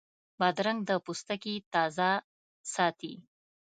بادرنګ د پوستکي تازه ساتي.